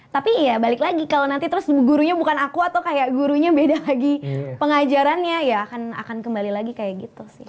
tapi ya balik lagi kalau nanti terus gurunya bukan aku atau kayak gurunya beda lagi pengajarannya ya akan kembali lagi kayak gitu sih